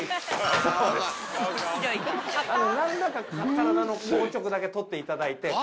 体の硬直だけ取っていただいて。